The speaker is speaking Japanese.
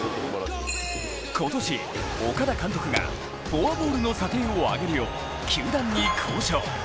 今年、岡田監督がフォアボールの査定を上げるよう球団に交渉。